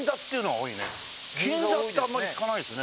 金座ってあんまり聞かないですね。